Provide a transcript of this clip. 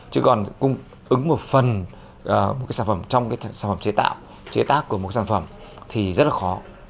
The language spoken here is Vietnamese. chứ còn cung ứng một phần một cái sản phẩm trong cái sản phẩm chế tạo chế tác của một sản phẩm thì rất là khó